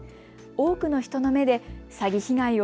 多くの人の目で詐欺被害を